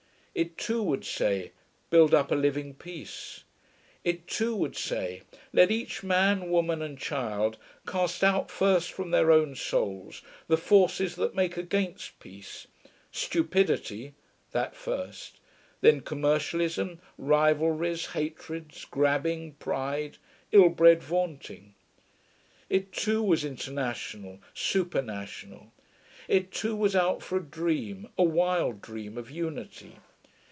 It too would say, build up a living peace. It too would say, let each man, woman, and child cast out first from their own souls the forces that make against peace stupidity (that first), then commercialism, rivalries, hatreds, grabbing, pride, ill bred vaunting. It too was international, supernational. It too was out for a dream, a wild dream, of unity.